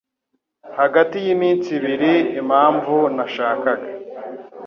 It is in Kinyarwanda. Hagati yiminsi ibiri, impamvu nashakaga